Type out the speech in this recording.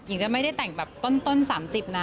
หญิงก็ไม่ได้แต่งแบบต้น๓๐นะ